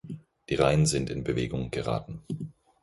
Die Reihen sind in Bewegung geraten.